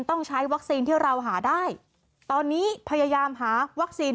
ต้องใช้วัคซีนที่เราหาได้ตอนนี้พยายามหาวัคซีน